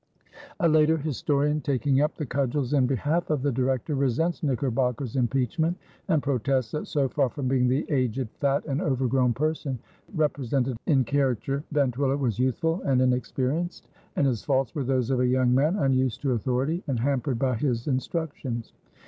A later historian, taking up the cudgels in behalf of the Director, resents Knickerbocker's impeachment and protests that "so far from being the aged, fat and overgrown person represented in caricature Van Twiller was youthful and inexperienced, and his faults were those of a young man unused to authority and hampered by his instructions."